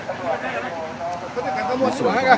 สวัสดีครับทุกคน